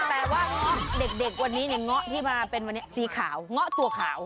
แปลว่าเงาะเด็กวันนี้เงาะที่มาเป็นวันนี้สีขาวเงาะตัวขาว